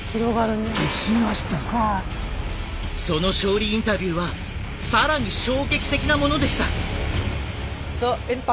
その勝利インタビューは更に衝撃的なものでした。